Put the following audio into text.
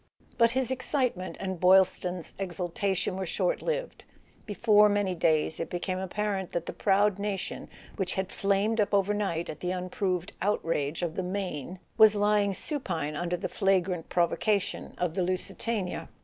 But his excitement and Boylston's exultation were short lived. Before many days it became apparent that the proud nation which had flamed up overnight at the unproved outrage of the Maine was lying supine under the flagrant provocation of the Lusitania